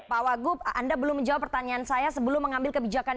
pak wagub anda belum menjawab pertanyaan saya sebelum mengambil kebijakan